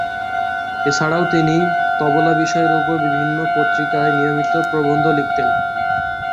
এছাড়াও তিনি তবলা বিষয়ে উপর বিভিন্ন পত্রিকায় নিয়মিত প্রবন্ধ লিখতেন।